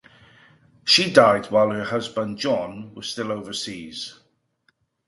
She died while her husband, John, was still overseas.